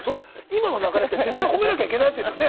今の流れって絶対褒めなきゃいけないやつですよね？